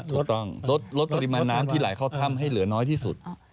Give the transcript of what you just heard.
ถูกต้องลดปริมาณน้ำที่ไหลเข้าถ้ำให้เหลือน้อยที่สุด